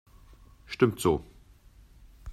Stimmt so.